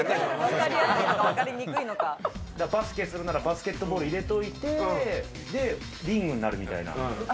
バスケするなら、バスケットボールを入れといて、リングになるみたいな。